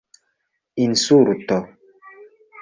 insulto